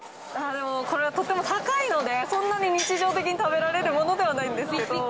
これはとても高いので、そんなに日常的に食べられるものではないんですけど。